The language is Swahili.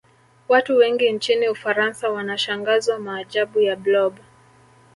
Watu wengi nchini ufaransa wanashangazwa maajabu ya blob